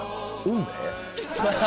運命？